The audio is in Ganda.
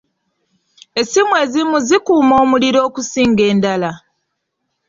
Essimu ezimu zikuuma omuliro okusinga endala.